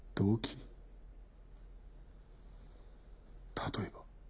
例えば？